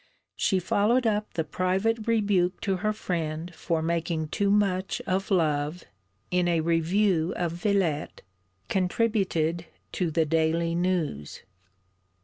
She followed up the private rebuke to her friend for making too much of love, in a review of Villette, contributed to the _Daily News.